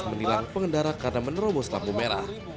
menilang pengendara karena menerobos lampu merah